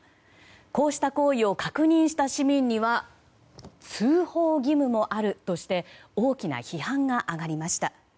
こうした行為を確認した市民には通報義務もあるとして大きな批判が上がりました。